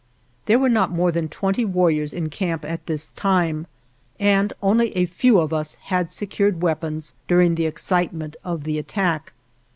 There were not more than twenty warriors in camp at this time, and only a few of us had secured weapons during the excitement of the attack.